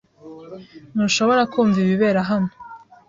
Ntushobora kumva ibibera hano?